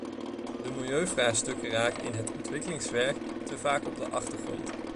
De milieuvraagstukken raken in het ontwikkelingswerk te vaak op de achtergrond.